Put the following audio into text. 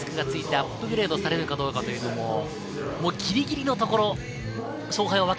アップグレードされるかというのもぎりぎりのところ。